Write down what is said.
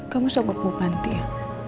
kamu sok gepupu panti ya